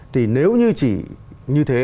thì nếu như chỉ như thế